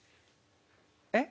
えっ？